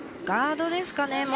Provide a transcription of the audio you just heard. ガードですかね。